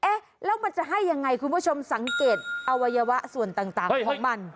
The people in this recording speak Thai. เอ๊ะแล้วมันจะให้ยังไงคุณผู้ชมสังเกตอวัยวะส่วนต่างของมัน